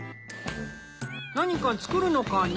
何か作るのかな？